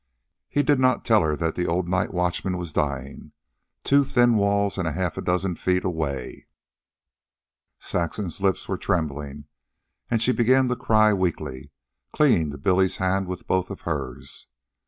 He did not tell her that the old night watchman was dying, two thin walls and half a dozen feet away. Saxon's lips were trembling, and she began to cry weakly, clinging to Billy's hand with both of hers.